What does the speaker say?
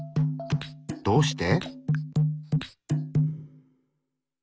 どうして？